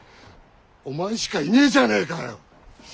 お前しかいねえじゃねえかよ！